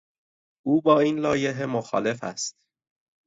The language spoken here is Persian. او با این لایحه مخالف است.